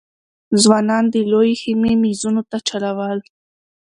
ځوانانو د لويې خېمې مېزونو ته چلول.